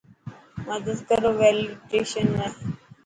مدد ڪرو ويليڊشن ۾.